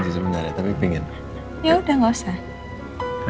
bisa silakan dinikmati hidangannya ya